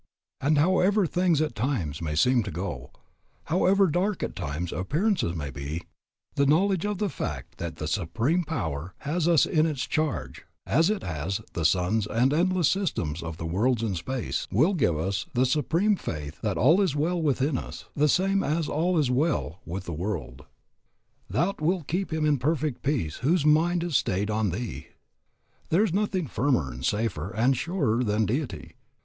And however things at times may seem to go, however dark at times appearances may be, the knowledge of the fact that "the Supreme Power has us in its charge as it has the suns and endless systems of worlds in space," will give us the supreme faith that all is well with us, the same as all is well with the world. "Thou wilt keep him in perfect peace whose mind is stayed on Thee." There is nothing firmer, and safer, and surer than Deity.